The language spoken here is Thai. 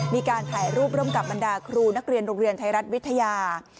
มีการถ่ายรูปร่วมกับบรรดาครูนักเรียนโรงเรียนไทยรัฐวิทยา